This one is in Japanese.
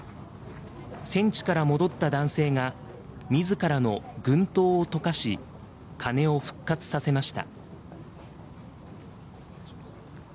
戦地から戻った男性がみずからの軍刀を溶かし鐘を復活させました。